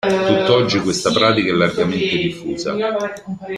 Tutt'oggi questa pratica è largamente diffusa.